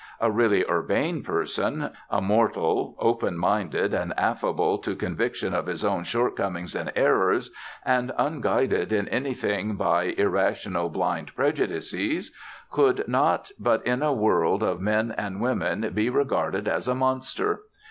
A really urbane person a mortal open minded and affable to conviction of his own shortcomings and errors, and unguided in anything by irrational blind prejudices could not but in a world of men and women be regarded as a monster.